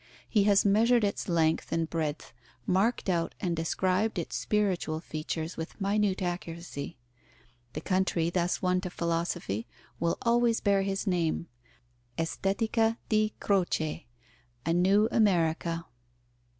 He has measured its length and breadth, marked out and described its spiritual features with minute accuracy. The country thus won to philosophy will always bear his name, Estetica di Croce, a new America.